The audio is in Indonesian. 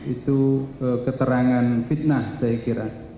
itu keterangan fitnah saya kira